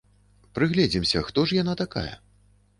Прыгледзімся, хто ж яна такая?